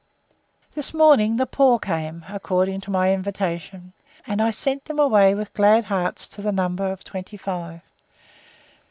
This morning the poor came, according to my invitation; and I sent them away with glad hearts to the number of twenty five.